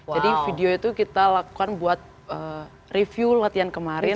jadi video itu kita lakukan buat review latihan kemarin